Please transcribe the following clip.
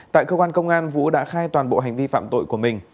tại cơ quan công an vũ đã khai toàn bộ hành vi phạm tội của mình